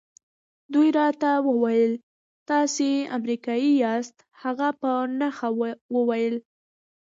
دوی راته وویل تاسي امریکایی یاست. هغه په نښه وویل.